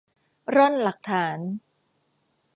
ร่อนหลักฐาน